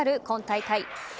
今大会。